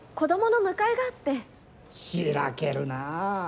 しらけるなあ。